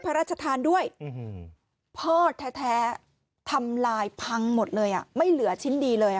พระราชทานด้วยพ่อแท้ทำลายพังหมดเลยไม่เหลือชิ้นดีเลย